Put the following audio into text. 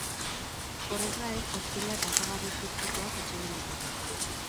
Horrez gain, ozpina eta osagarri zitrikoak atsegin ditu.